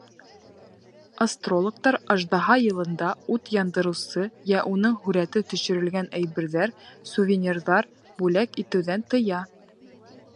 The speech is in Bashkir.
Астрологтар Аждаһа йылында ут яндырыусы йә уның һүрәте төшөрөлгән әйберҙәр, сувенирҙар бүләк итеүҙән тыя.